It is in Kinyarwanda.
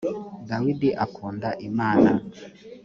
dawidi akunda imana.